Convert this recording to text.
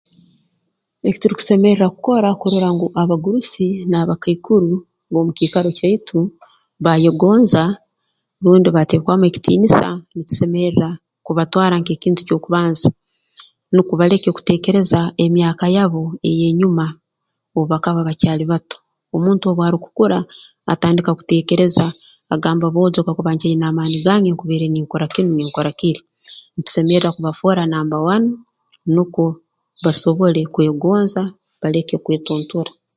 Ekiturukusemerra kukora kurora ngu abagurusi n'abakaikuru b'omu kiikaro kyaitu baayegonza rundi bateekwamu ekitiinisa ntusemerra kubatwara nk'ekintu ky'okubanza nukwo baleke kuteekereza emyaka yabo ey'enyuma obu bakaba bakyali bato omuntu obu arukukura atandika kuteekereza agamba boojo kakuba nkyaine amaani nkubaire ninkora kinu ninkora kiri ntusemerra kubafoora number one nukwo basobole kwegonza baleke kwetuntura